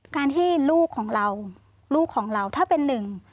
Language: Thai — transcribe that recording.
การที่ลูกของเราลูกของเราถ้าเป็นหนึ่ง